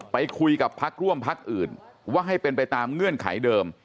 ไปคุยกับพักร่วมพักอื่นว่าให้เป็นไปตามเงื่อนไขเดิม